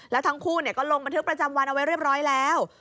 แล้วทั้งคู่ก็ลงบันทึกประจำวันเอาไว้เรียบร้อยแล้ว